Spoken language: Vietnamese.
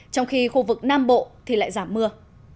trong khi khu vực nam bộ thì lại giảm mưa